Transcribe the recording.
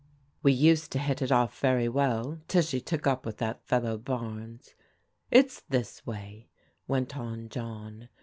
" We used to hit it off very well till she took up with that fellow Barnes. It's this way," went on John.